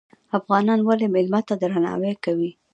افغانان ولې میلمه ته درناوی کوي؟